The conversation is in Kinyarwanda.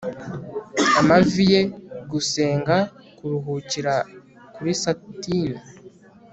Amavi ye gusenga kuruhukira kuri satin